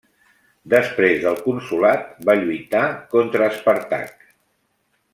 Després del consolat va lluitar contra Espàrtac.